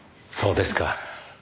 そうですか。